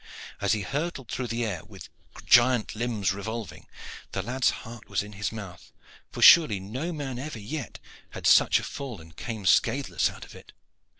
As he hurtled through the air, with giant limbs revolving, the lad's heart was in his mouth; for surely no man ever yet had such a fall and came scathless out of it.